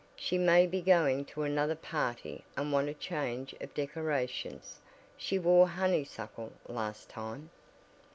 "She may be going to another party and want a change of decorations, she wore honey suckle last time."